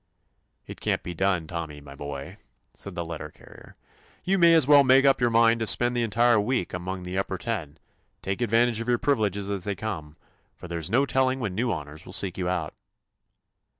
"It can't be done. Tommy, my boy," said the letter carrier. "You may as well make up your mind to spend the entire week among the up per ten. Take advantage of your privileges as they come, for there 's no telling when new honors will seek you out."